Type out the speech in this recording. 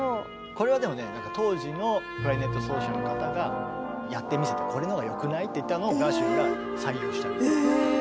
これはでもね当時のクラリネット奏者の方がやってみせてこれのほうがよくない？って言ったのをガーシュウィンが採用したみたい。